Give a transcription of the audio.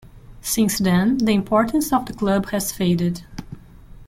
Since then, the importance of the club has faded.